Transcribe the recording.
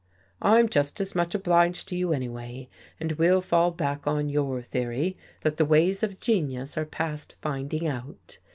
" I'm just as much obliged to you, anyway. And we'll fall back on your theory; that the ways of genius are past find ing out.